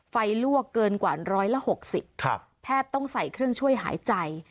ลวกเกินกว่า๑๖๐แพทย์ต้องใส่เครื่องช่วยหายใจ